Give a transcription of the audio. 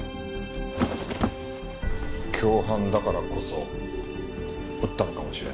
共犯だからこそ撃ったのかもしれんな。